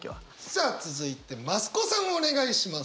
さあ続いて増子さんお願いします。